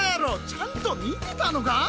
ちゃんと見てたのか？